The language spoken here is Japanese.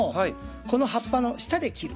この葉っぱの下で切る。